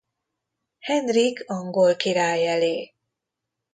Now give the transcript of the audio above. Henrik angol király elé.